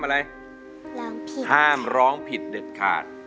คือห้ามอะไรห้ามร้องผิดเหนือขาด